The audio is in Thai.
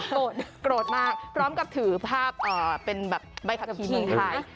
โกรธโกรธมากพร้อมถือภาพเป็นใบขับขี่เมืองไทย